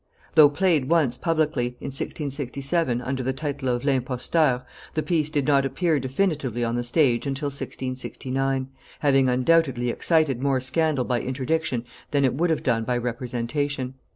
Though played once publicly, in 1667, under the title of l'Imposteur, the piece did not appear definitively on the stage until 1669, having undoubtedly excited more scandal by interdiction than it would have done by representation.